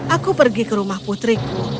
aku pergi ke rumah putriku